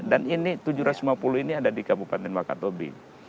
dan ini tujuh ratus lima puluh ini ada di kabupaten wakatobi